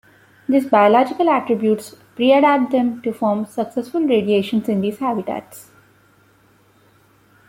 These biological attributes preadapt them to form successful radiations in these habitats.